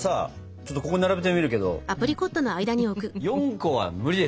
ちょっとここ並べてみるけど４個は無理です。